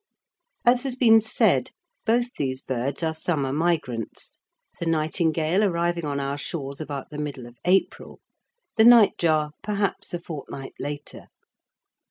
As has been said, both these birds are summer migrants, the nightingale arriving on our shores about the middle of April, the nightjar perhaps a fortnight later.